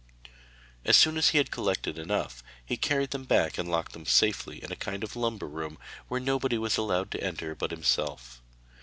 As soon as he had collected enough he carried them back and locked them safely up in a kind of lumber room, where nobody was allowed to enter but himself.